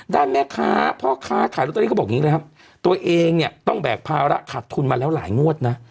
ด้านแม่ค้าพ่อค้าขายลอตเตอรี่เขาบอกอย่างนี้เลยครับตัวเองเนี่ยต้องแบกภาระขาดทุนมาแล้วหลายงวดนะ